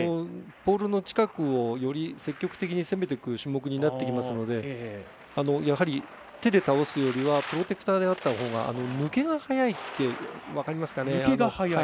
ポールの近くをより積極的に攻めてくる種目になってきますのでやはり、手で倒すよりはプロテクターであったほうが抜けが早いって分かりますかね。